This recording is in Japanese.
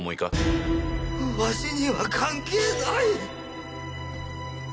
わしには関係ない！